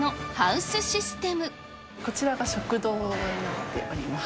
こちらが食堂になっております